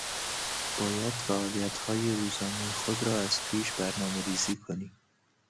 باید فعالیتهای روزانهی خود را از پیش برنامهریزی کنی.